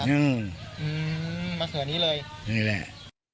อืมมะเขือนี้เลยนี่แหละ